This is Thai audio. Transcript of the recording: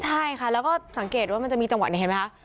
ใช่ค่ะแล้วก็สังเกตว่ามันจะมีจังหวะในเทพภาค